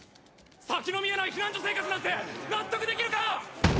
先の見えない避難所生活なんて納得できるか！